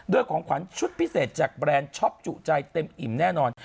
ของขวัญชุดพิเศษจากแบรนด์ช็อปจุใจเต็มอิ่มแน่นอน